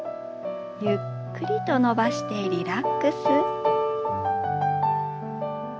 ゆっくりと伸ばしてリラックス。